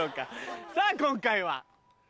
さぁ今回は。